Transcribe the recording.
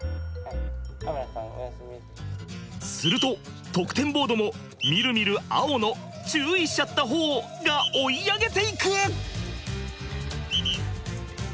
すると得点ボードもみるみる青の注意しちゃった方が追い上げていく！